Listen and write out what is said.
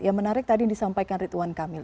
yang menarik tadi yang disampaikan rituan kamil